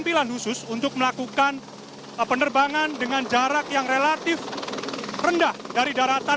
tampilan khusus untuk melakukan penerbangan dengan jarak yang relatif rendah dari daratan